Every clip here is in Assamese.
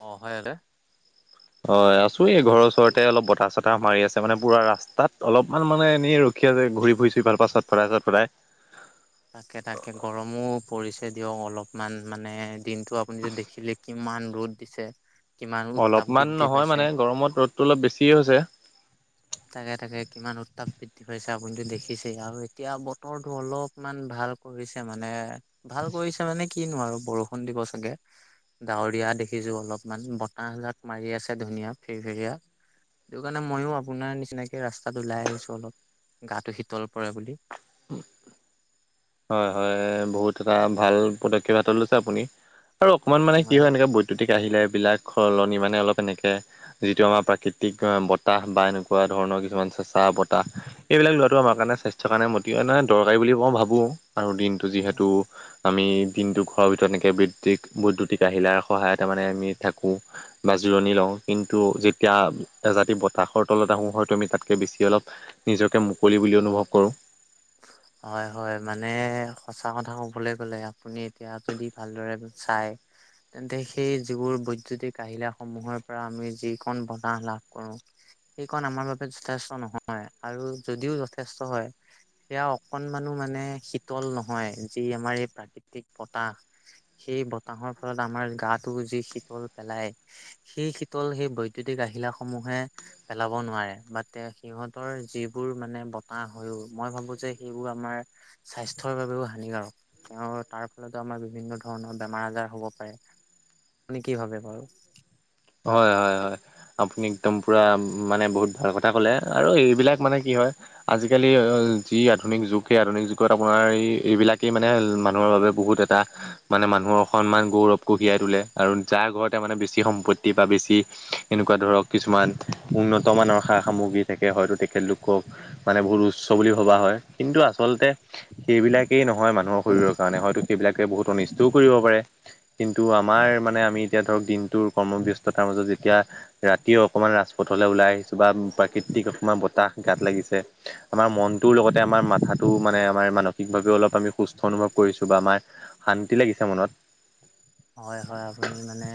অ' হয় [unintelligible] [inaudible] হয় আছো এই ঘৰৰ ওচৰতে অলপ বতাহ চতাহ মাৰি আছে মানে পুৰা ৰাস্তাত অলপমান মানে এনেই ৰ কিয় যে ঘূৰি ফুৰিছোঁ ইফালৰ পৰা চত ফটাই চত ফটাই। তাকে তাকে গৰমো পৰিছে দিয়ক অলপমান মানে দিনটো আপুনি যদি দেখিলে কিমান ৰ'দ দিছে। কিমান উত্তাপ অলপমান বৃদ্ধি নহয় পাইছে মানে গৰমত ৰ'দটো অলপ বেছিয়ে হৈছে। তাকে, তাকে, কিমান উত্তাপ বৃদ্ধি পাইছে আপুনিতো দেখিছেই আৰু এতিয়া বতৰটো অলপ মান ভাল কৰিছে মানে, ভাল কৰিছে মানে কিনো আৰু বৰষুণ দিব চাগে। ডাৱৰীয়া দেখিছো অলপমান, বতাহজাক মাৰি আছে ধুনীয়া ফিৰফিৰিয়া। সেইটো কাৰণে মইয়ো আপোনাৰ নিচিনাকে ৰাস্তাত ওলাই আহিছো, অলপ গাটো শীতল পৰে বুলি। হয়, হয়, বহুত এটা ভাল পদক্ষেপ হাত লৈছে আপুনি আৰু অকমান মানে কি হয় এনেকে প্ৰতিক আহিলে বিলাক সলনি মানে অলপ এনেকৈ যিটো আমাৰ প্ৰাকৃতিক বতাহ বা এনেকুৱা ধৰণৰ কিছুমান চেঁচা বতাহ। এইবিলাক লোৱাটো আমাৰ কাৰণে স্বাস্থ্যৰ কাৰণে ম দৰকাৰী বুলি মই ভাবো আৰু দিনটো হয় যিহেতু আমি দিনটো ঘৰৰ ভিতৰত এনেকে বৈদ্যুতিক বৈদ্যুতিক আহিলাৰ সহায় তাৰ মানে আমি থাকো। বা জিৰণি লও, কিন্তু যেতিয়া এজাতি বতাহৰ তলত আহো হয়তো আমি তাতকে বেছি অলপ নিজকে মুকলি বুলি অনুভৱ কৰো। [inaudible] হয়, হয়, মানে সঁচা কথা ক'বলৈ গ'লে আপুনি এতিয়া যদি ভালদৰে চাই তেন্তে সেই যিবোৰ বৈদ্যুতিক আহিঁলাসমূহৰ পৰা আমি যিখন বতাহ লাভ কৰো। সেইকণ আমাৰ বাবে যথেষ্ট নহয়, আৰু যদিও যথেষ্ট হয় সেয়া অকনমানো মানে শীতল নহয়, যি আমাৰ এই প্ৰাকৃতিক ব। সেই বতাহৰ ফলত আমাৰ গাটো যি শীতল পেলাই সেই শীতল, সেই বৈদ্যুতিক আহিলাসমূহে পেলাব নোৱাৰে, বা সিহঁতৰ যিবোৰ মানে বতাহ হৈ মই ভাবো যে সেইবোৰ আমাৰ স্বাস্থ্যৰ বাবেও হানিকাৰক। অঁ, তাৰ ফলতো আমাৰ বিভিন্ন ধৰণৰ বেমাৰ আজাৰ হ'ব পাৰে, আপুনি কি ভাবে বাৰু? হয়-হয়-হয়। আপুনি একদম পুৰা মানে বহুত ভাল কথা ক'লে, আৰু এই বিলাক মানে কি হয় আজিকালি যি আধুনিক যুগ, সেই আধুনিক যুগত আপোনাৰ এই এইবিলাকেই মানে মানুহৰ বাবে বহুত এটা মানে মানুহৰ সন্মান, গৌৰৱ কঢ়িয়াই তোলে আৰু যাৰ ঘৰতে মানে বেছি সম্পত্তি তিবা বেছি এনেকুৱা ধৰক, কিছুমান উন্নত মানৰ সা-সামগ্ৰী থাকে হয়তো তেখেতলোকক মানে বহুত উচ্চ বুলি ভবা হয়, কিন্তু আচলতে সেইবিলাকেই নহয়, মানুহৰ শৰীৰৰ কাৰণে হয়তো সেইবিলাকে বহুত অনিষ্টও কৰিব পাৰে। কিন্তু আমাৰ মানে আমি এতিয়া ধৰক দিনটোৰ কৰ্মব্যস্ততাৰ মাজত যেতিয়া ৰাতিও অকমান ৰাজপথলৈ ওলাই আহিছোঁ বা প্ৰাকৃতিক অকমান বতাহ গাত লাগিছে। আমাৰ মনটোৰ লগতে আমাৰ মাথাটো মানে আমাৰ মানসিকভাৱেও অলপ আমি সুস্থ অনুভৱ কৰিছো, বা আমাৰ শান্তি লাগিছে মনত। হয়, হয়, আপুনি মানে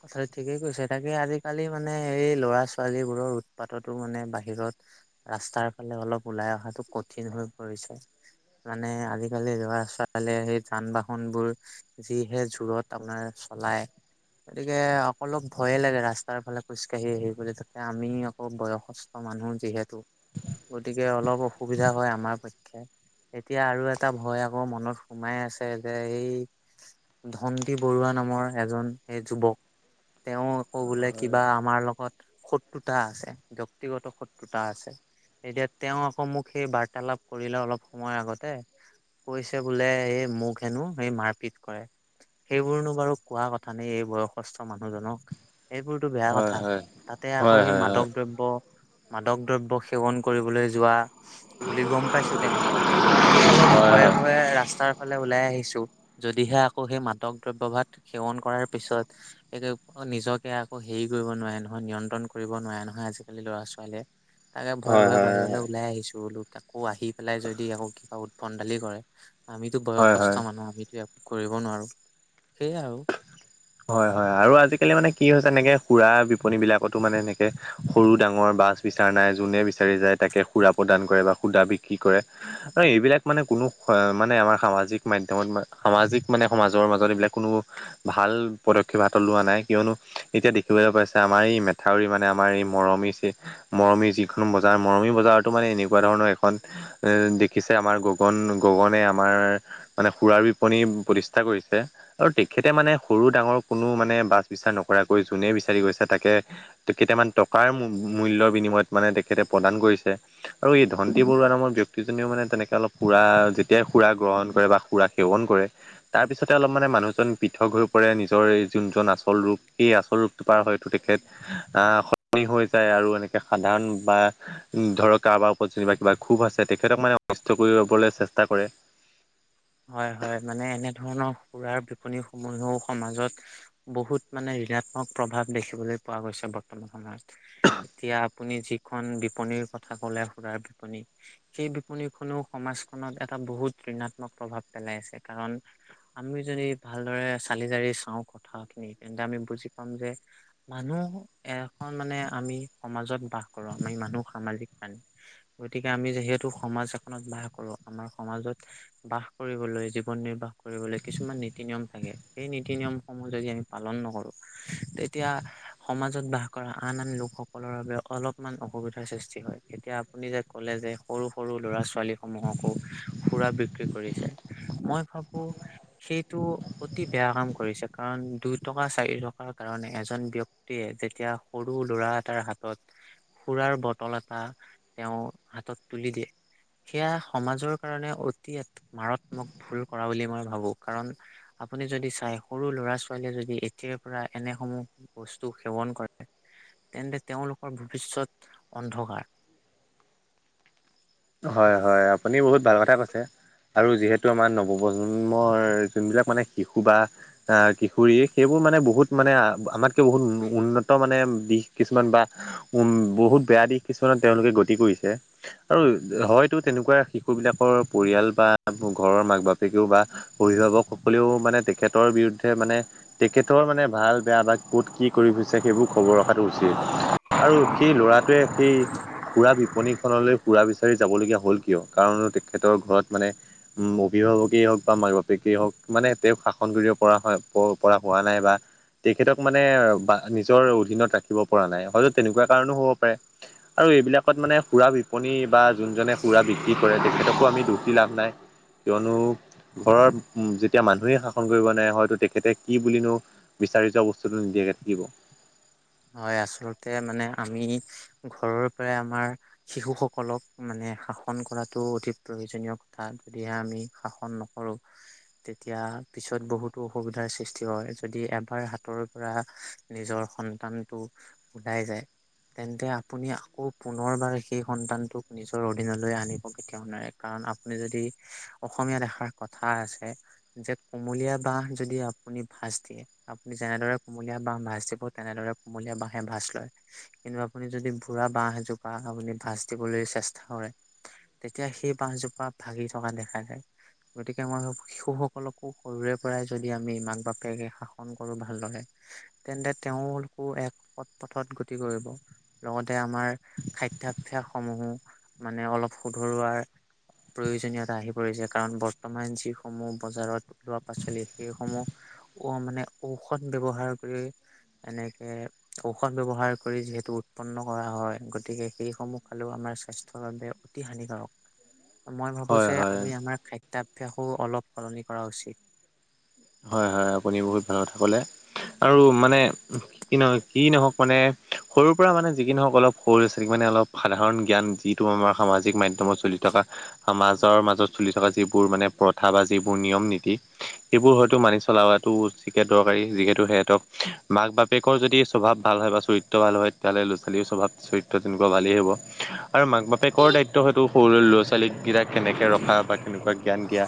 কথাটো ঠিকেই কৈছে, তাকে আজিকালি মানে এই ল'ৰা ছোৱালী বোৰৰ উৎপাততো মানে বাহিৰত ৰাস্তাৰ ফালে অলপ উলাই অহাটো কঠিন হৈ পৰিছে। মানে আজিকালি ল'ৰা- ছোৱালীয়ে সেই যান-বাহন বোৰ যিহে জোৰত আপোনাৰ চলাই গতিকে অকলপ ভয়ে লাগে ৰাস্তাৰ ফালে খোজকাঢ়ি আহি বলে তাতে আমি অ', বয়সস্থ মানুহ যিহেতু গতিকে অলপ অসুবিধা হয় আমাৰ পক্ষে। এতিয়া আৰু এটা ভয় আকৌ মনত সোমাই আছে যে, এই ধন কি বৰুৱা নামৰ এজন এই যুৱক তেওঁ আকৌ বোলে কিবা আমাৰ লগত শত্ৰুতা আছে, ব্যক্তিগত শত্ৰুতা আছে। এতিয়া তেওঁ আকৌ মোক সেই বাৰ্তালাপ কৰিলে অলপ সময় আগতে কৈছে বোলে এই মোক হেনো সেই মাৰপিত কৰে। সেইবোৰনো বাৰু কোৱা কথা নেকি এই বয়সস্থ মানুহজনক, সেই বোৰতো বেয়া হয় কথা, হয় তাত তে আকৌ হয় সেই হয় হয় মাদক দ্ৰব্য, মাদক দ্ৰব্য সেৱন কৰিবলৈ যোৱা বুলি গ'ম পাইছো তেওঁ। তাকে অলপ হয় ভয়ে ভয়ে ৰাস্তাৰ ফালে ওলাই আহিছো। যদিহে আকৌ সেই মানুহ দক দ্ৰব্য ভাত সেৱন কৰাৰ পিছত [unintelligible] নিজকে আকৌ হেৰি কৰিব নোৱাৰে নহয়, নিয়ন্ত্ৰণ কৰিব নোৱাৰে নহয় আজিকালি লৰা ছোৱালীয়ে। তাকে ভয়ে হয় হয় ভয়ে হয় বাহিৰলে ওলাই আহিছো আকৌ আহি পেলাই যদি আকৌ কিবা উৎভন ডালি কৰে আমিতো হয় হয়। বয়সস্থ মানুহ আমিতো একো কৰিব নোৱাৰো। সেইয়ে আৰু। হয় হয় হয় আৰু আজিকালি মানে কি হৈছে এনেকে সঙৰা বিপনী বিলাকতো মানে এনেকে সৰু ডাঙৰ বাছ বিচাৰ নাই, যোনে বিচাৰি যায় তাকে সুৰা প্ৰদান কৰে বা সুদা বিক্ৰী কৰে। ঐ এইবিলাক মানে কোনো মানে আমাৰ সামাজিক মাধ্যমত সামাজিক মানে সমাজৰ মাজত এইবিলাক কোনো ভাল পদক্ষেপ লোৱা নাই, কিয়নো এতিয়া দেখিবলৈ পাইছে আমাৰ এই মেথাউৰি মানে আমাৰ এই মৰমি ছে মৰমিৰ যিখন বজাৰ মৰমি বজাৰতো মানে এনেকুৱা ধৰণৰ এখন এ দেখিছে আমাৰ গগন গগনে আমাৰ মানে সুৰাৰ বিপণী প্ৰতিষ্ঠা কৰিছে আৰু তেখেতে মানে সৰু ডাঙৰ কোনো মানে বাছ বিচাৰ নকৰাকৈ যোনে বিচাৰি গৈছে তাকে কেইটামান টকাৰ মূল্যৰ বিনিময়ত মানে তেখেতে প্ৰদান কৰিছে আৰু এই ধনন্তী বৰুৱা নামৰ ব্যক্তিজনেও মানে তেনেকে অলপ সুৰা যেতিয়াই সুৰা গ্ৰহণ কৰে বা সুৰাক সেৱন কৰে তাৰ পিছতে অলপ মানে মানুহজন পৃথক হৈ পৰে নি নিজৰ এই যোনজন আচল ৰোগ সেই আচল ৰোগটোপাৰ হয়তো তেখেত আহ সনি হৈ যায় আৰু এনেকে সাধাৰণ বা ধৰক কাৰোবাৰ ওপৰত যেনিবা কিবা ক্ষুভ আছে তেখেতক মানে অনষ্ট কৰিবলৈ চেষ্টা কৰে হয় হয় মানে এনেধৰণৰ সুৰাৰ বিপনি সমূহেও সমাজত বহুত মানে ঋণাত্মক প্ৰভাৱ দেখিবলৈ পোৱা গৈছে বৰ্তমান সময়ত এতিয়া আপুনি যিখন বিপনীৰ কথা কলে সুৰাৰ বিপনী সেই বিপণীখনেও সমাজখনত এটা বহুত ঋণাত্মক প্ৰভাৱ পেলাই আছে কাৰণ আমি যদি ভালদৰে চালি জাৰি চাওঁ কথাখিনি তেন্তে আমি বুজি পাম যে মানুহ এখন মানে আমি সমাজত বাস কৰো আমি মানুহ সামাজিক প্ৰাণী গতিকে আমি যিহেতু সমাজ এখনত বাস কৰোঁ আমাৰ সমাজত বাস কৰিবলৈ জীৱন নিৰ্বাহ কৰিবলৈ কিছুমান নীতি নিয়ম থাকে সেই নীতি নিয়মসমূহ যদি আমি পালন নকৰোঁ তেতিয়া সমাজত বাস কৰা আন আন লোকসকলৰ বাবে অলপমান অসুবিধাৰ সৃষ্টি হয় এতিয়া আপুনি যে ক'লে যে সৰু সৰু ল'ৰা ছোৱালী সমূহকো সুৰা বি বিক্ৰী কৰিছে মই ভাবো সেইটো অতি বেয়া কাম কৰিছে কাৰণ দুই টকা চাৰি টকাৰ কাৰণে এজন ব্য়ক্তি তিয়ে যেতিয়া সৰু ল'ৰা এটাৰ হাতত সুৰাৰ বটল এটা তেওঁ হাতত তুলি দিয়ে সেয়া সমাজৰ কাৰণে অতি মাৰাত্মক ভুল কৰা বুলি মই ভাবো কাৰণ আপুনি যদি চাই সৰু ল'ৰা ছোৱালীয়ে যদি এতিয়াৰ পৰা এনেসমূহ বস্তু সেৱন কৰে তেন্তে তেওঁলোকৰ ভৱিষ্যত অন্ধকাৰ হয় হয় আপুনি বহুত ভাল কথা কৈছে আৰু যিহেতু আমাৰ নৱপ্ৰজন্মৰ যোনবিলাক মানে শিশু বা আহ কিশোৰী সেইবোৰ মানে বহুত মানে আমাতকে বহুত উন্নত মানে দিশ কিছুমান বা উম বহুত বেয়া দিশ কিছুমান তেওঁলোকে গতি কৰিছে আৰু হয়তো তেনেকুৱা শিশুবিলাকৰ পৰিয়াল বা ঘৰৰ মাক বাপেকেও বা অভিভাৱকসকলেও মানে তেখেতৰ বিৰুদ্ধে মানে তেখেতৰ মানে ভাল বেয়া বা কত কি কৰি ফুৰে সেইবোৰ খবৰ ৰখাটো উচিত আৰু সেই ল'ৰাটোৱে সেই সুৰা বিপনীখনলৈ সুৰা বিচ ৰি যাবলগীয়া হ'ল কিয় কাৰণ তেখেতৰ ঘৰত মানে উ অভিভাৱকেই হওক বা মাক বাপেকেই হওক মানে তেওঁক শাসন ধৰি পৰা হয় পৰা হোৱা নাই বা তেখেতক মানে বা নিজৰ অধীনত ৰাখিব পৰা নাই হয়তো তেনেকুৱা কাৰণো হ'ব পাৰে আৰু এইবিলাকত মানে সুৰা বিপনী বা যোনজনে সুৰা বিক্ৰী কৰে তেখেতকো আমি দুষী লাভ নাই কিয়নো ঘৰত উম যেতিয়া মানুহে শাসন কৰিব নোৱাই হয়তো তেখেতে কি বুলিনো বিচাৰি যোৱা বস্তুটো নিদিয়াকে থাকিব হয় আচলতে মানে আমি ঘৰৰ পৰাই আমাৰ শিশু সকলক মানে শাসন কৰাতটো অধিক প্ৰয়োজনীয় কথা যদিহে আমি শাসন নক সৰু তেতিয়া পিছত বহুতো অসুবিধাৰ সৃষ্টি হয়, যদি এবাৰ হাতৰ পৰা নিজৰ সন তানটো উলাই যায়। তেন্তে আপুনি আকৌ পুনৰবাৰ সেই সন্তানটোক নিজৰ অধীনলৈ আনিব কেতিয়াও নোৱাৰে। কাৰণ আপুনি যদি অসমীয়াত এষাৰ কথা আছে যে কুমলীয়া বাঁহ যদি আপুনি ভাজ দিয়ে আপুনি যেনেদৰে কুমলীয়া বাঁহ ভাঁজ দিব তেনেদৰে কুমলীয়া বাঁহে ভাঁজ লয়। কিন্তু আপুনি যদি বুঢ়া বাহঁ এজোপা আপুনি ভাঁজ দিবলৈ চেষ্টা কৰে তেতিয়া সেই বাঁহজোপা ভাগি থকা দেখা যায়। গতিকে মই ভাবোঁ শিশুসকলকো সৰুৰে পৰাই যদি আমি মাক বাপেকে শাসন কৰো ভালদৰে তেন্তে তেওঁলোকো এক সৎ পথত গতি কৰিব। লগতে আমাৰ খাদ্যাভ্যাস সমূহো মানে অলপ শুধৰোৱাৰ প্ৰয়োজনীয়তা আহি পৰিছে কাৰণ বৰ্তমান যিসমূহ বজাৰত ওলোৱা পাচলি সেইসমূহ ঔ মানে ঔষধ ব্যৱহাৰ কৰি এনে এ ঔষধ ব্যৱহাৰ কৰি যিহেতু উৎপন্ন কৰা হয় গতিকে সেইসমূহ খালেও আমাৰ স্বাস্থ্যৰ বাবে অতি হানিকাৰক। হয়নে মই ভাবো যে আমি আমাৰ খাদ্যাভ্যাসো অলপ সলনি কৰা উচিত। হয় হয় আপুনি বহুত ডাঙৰ কথা ক'লে আৰু মানে কি নহয় কি নহওক মানে সৰুৰ পৰা মানে যিকি নহওক অলপ সৰু ল'ৰা ছোৱালীক মানে অলপ সাধাৰণ জ্ঞান যিটো আমাৰ সামাজিক মাধ্যমত চলি থকা সমাজৰ মাজত চলি থকা যিবোৰ মানে প্ৰথা বা যিবোৰ নিয়ম নীতি সেইবোৰ হ য়টো মানি চলাটো আতিকে দৰকাৰী যিহেতু সিহঁতক মাক বাপেকৰ যদি স্বভাৱ ভাল হয় বা চৰি ত্ৰ ভাল হয় তেতিয়াহলে ল'ৰা ছোৱালী স্বভাৱ চৰিত্ৰ তেনেকোৱা ভালেই হ'ব। আৰু মাক বাপেকৰ দায়িত্ব হয়তো সৰু ল'ৰা ছোৱালীকেইটাক কেনেকে ৰখা বা কেনেকোৱা কি জ্ঞান দিয়া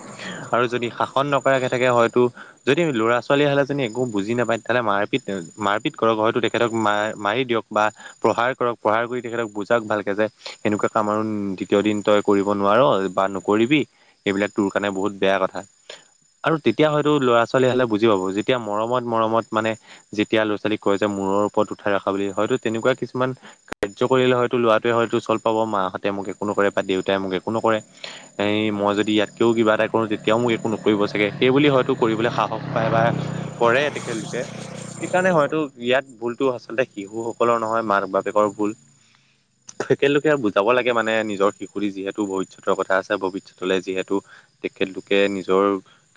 আৰু যদি শাসন নকৰাকে থাকে হয়তো যদি আমি ল'ৰা ছোৱালী হালে যদি একো বুজি নাপায় তেতিয়া হ'লে মাৰপিত মাৰপিত কৰক হয়তো সিহঁতক মা মাৰি দিয়ক বা প্ৰহাৰ কৰক প্ৰহাৰ কৰি তেখেতক বুজও ভালকে যে সেনেকোৱা কাম আৰু দ্বিতীয় দিন তই কৰিব নোৱাৰ বা নকৰিবি এইবিলাক তোৰ কাৰণে বহুত বেয়া কথা। আৰু তেতিয়া হয় টো ল'ৰা ছোৱালী হালে বুজি পাব যেতিয়া মৰমত মৰমত মানে যেতিয়া ল'ৰা ছোৱালীক কয় যে মূৰৰ ওপৰত উঠাই ৰখা বুলি হয়তো তেনেকোৱা কিছুমান কাৰ্য্য কৰিলে হয়তো লৰাটোৱে হয়তো চল পাব মাহঁতে মোক একো নকৰে বা দেউতাই মোক একো নকৰে হেৰি মই যদি ইয়াতকৈও কিবা এটা কৰো তেতিয়াও মোক একো নকৰিব চাগে সেইবুলি হয়তো কৰিবলৈ সাহস পায় বা কৰে তেখেতলোকে। সেইকাৰণে হয়তো ইয়াত ভুলতো আচলতে শিশুসকলৰ নহয় মাক বাপেকৰ ভুল। তেখেতলোকে বুজাব লাগে মানে নিজৰ শিশুটি যিহেতু ভৱিষ্যতৰ কথা আছে ভৱিষ্যতলৈ যিহেতু তেখেতলোকে নিজৰ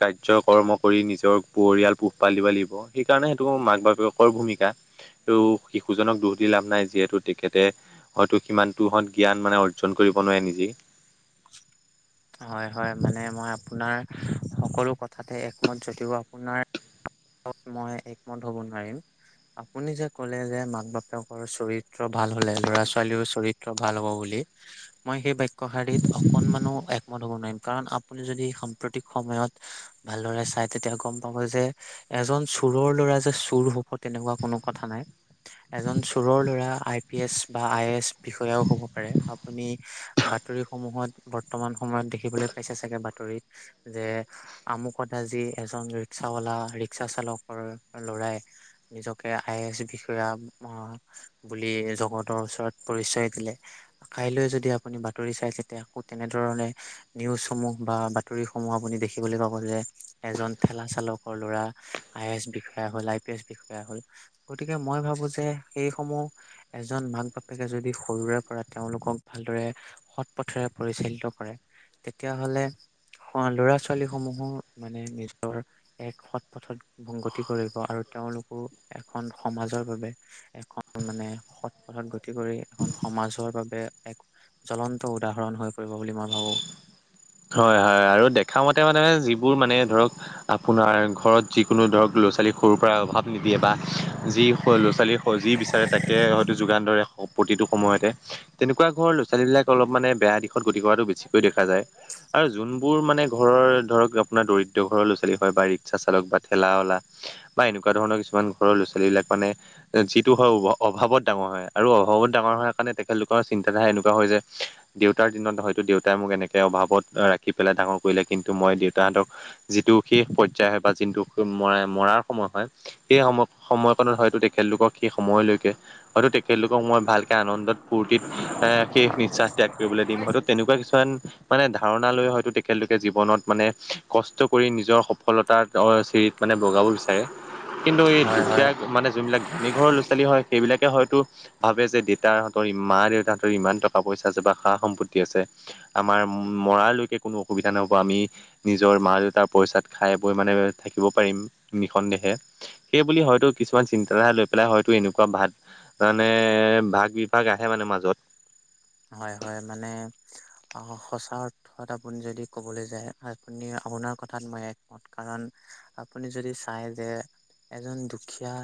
কাৰ্যক কৰ্ম কৰি নিজৰ পৰিয়াল পোহপাল দিব লাগিব সেইকাৰণে সেইটো মাক বাপেকৰ ভূমিকা। সেইটো শিশুজনক দুখ দি লাভ নাই যিহেতু তেখেতে হয়তো সিমানতোহঁত জ্ঞান মানে অৰ্জন কৰিব নোৱাৰে নিজেই। [unintelligible] হয় হয় মানে মই আপোনাৰ সকলো কথাতে একমত যদিও আপোনাৰ মই একমত হ'ব নোৱাৰিম। আপুনি যে কলে যে মাক বাপেকৰ চৰিত্ৰ ভাল হলে ল'ৰা ছোৱালীৰো চৰিত্ৰ ভাল হ'ব বুলি মই সেই বাক্যশাৰীত অকনমানো এক ম ধুব নোৱাৰিম কাৰণ আপুনি যদি সাম্প্ৰতিক সময়ত ভালদৰে চাই তেতিয়া গম পাব যে এজন চোৰৰ ল'ৰা যে চোৰ হ'ব তেনেকুৱা কোনো কথা নাই। এজন চোৰৰ ল'ৰা আই-পি-এছ বা আই-এ-এছ বিষয়াও হ'ব পাৰে। আপুনি বাতৰিসমূহত বৰ্তমান সময়ত দেখিবলৈ পাইছে চাগে বাতৰিত। যে আমুকত আজি এজন ৰিক্সাৱালা ৰিক্সা চালকৰ ল'ৰাই নিজকে আই এ এছ বিষয়া বুলি জগতৰ ওচৰত পৰিচয় দিলে। কাইলৈ যদি আপুনি বাতৰি চাই তেতিয়া তেনেধৰণে নিউজসমূহ বা বাতৰি সমূহ আপুনি দেখিবলৈ পাব যে এজন ঠেলা চালকৰ ল'ৰা আই এ এছ বিষয়া হ'ল, আই পি এছ বিষয়া হল। গতিকে মই ভাবো যে সেইসমূহ এজন মাক বাপেকে যদি সৰুৰে পৰা তেওঁলোকক ভালদৰে সৎ পথেৰে পৰিচালিত কৰে তেতিয়াহলে ল'ৰা ছোৱালী সমূহো মানে নিজৰ এক সৎ পথত সংগতি কৰিব আৰু তেওঁলোকো এখন সমাজৰ বাবে এখন মানে সৎ পথত গতি কৰি এখন সমাজৰ বাবে এক জ্বলন্ত উদাহৰণ হৈ পৰিব বুলি মই ভাবো। হয় হয় আৰু দেখা মতে মানে যিবোৰ মানে ধৰক আপোনাৰ ঘৰত যিকোনো ধৰক ল'ৰা ছোৱালী সৰুৰ পৰাই অভাৱ নিদিয়ে বা যি ল'ৰা ছোৱালী যি বিচাৰে তাকে হয়তো যোগান ধৰে প্ৰতিটো সময়তে, তেনেকুৱা ঘৰৰ ল'ৰা ছোৱালীবিলাক অলপ মানে বেয়া দিশত গতি কৰাটো বেছিকৈ দেখা যায়। আৰু যোনবোৰ মানে ঘৰৰ ধৰক আপোনাৰ দৰিদ্ৰ ঘৰৰ ল'ৰা ছোৱালী হয়, বা ৰিক্সা চালক বা ঠেলা চালক বা এনেকুৱা ধৰণৰ কিছুমান ঘৰৰ ল'ৰা ছালী বিলাক মানে যিটো হয় অভাৱত ডাঙৰ হয় আৰু অভাৱত ডাঙৰ হোৱাৰ কাৰণে তেখেতলোকৰ চিন্তাধাৰা এনেকুৱা হয় যে দেউতাৰ দিনত হয়তো দেউতাই মোক এনেকে অভাৱত ৰাখি পেলাই ডাঙৰ কৰিলে, কিন্তু মই দেউতাহঁতক যিটো শেষ পৰ্যায় হয় বা যিটো মৰাৰ সময় হয় সেই সময়-সময়কত হয়তো তেখেতলোকক সেই সময়লৈকে হয়তো তেখেতলোকক মই ভালকৈ আনন্দত, ফূৰ্তিত শেষ নিশ্বাস ত্যাগ কৰিবলৈ দিম হয়তো তেনেকুৱা কিছুমান মানে ধাৰণা লৈ হয়তো তেখেতলোকে জীৱনত মানে কষ্ট কৰি নিজৰ সফলতাৰ চিৰিত মানে বগাব বিচাৰে কিন্তু এই হয় হয়। দুখীয়া মানে যোনবিলাক ধনী ঘৰৰ ল'ৰা ছোৱালী হয় সেইবিলাকে হয়তো ভাবে যে, দেউতাহঁতৰ মা দেউতাহঁতৰ ইমান টকা পইচা আছে বা সা সম্পত্তি আছে আমাৰ মৰালৈকে কোনো অসুবিধা নহ'ব আমি নিজৰ মা দেউতাৰ পইচাত খাই বৈ মানে থাকিব পাৰিম নিখনন্দেহে। সেই বুলি হয়তো কিছুমান চিন্তাধাৰা লৈ পেলাই হয়তো এনেকুৱা ভাদ তাৰানে ভাগ বিভাগ আহে মানে মাজত। হয়, হয় মানে অ' সচা পথত আপুনি যদি ক'বলৈ যায় আপুনি আপোনাৰ কথাত মই একমত কাৰণ আপুনি যদি চাই যে এজন দুখীয়া